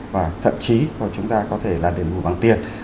và thậm chí chúng ta có thể là đền bù bằng tiền